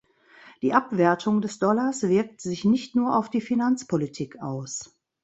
Die Abwertung des Dollars wirkt sich nicht nur auf die Finanzpolitik aus.